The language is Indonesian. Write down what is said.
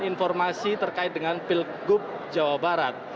informasi terkait dengan pilgub jawa barat